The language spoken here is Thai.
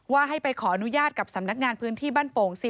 ให้ไปขออนุญาตกับสำนักงานพื้นที่บ้านโป่งสิ